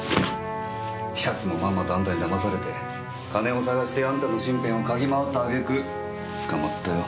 奴もまんまとあなたに騙されて金を捜してあなたの身辺をかぎ回ったあげく捕まったよ。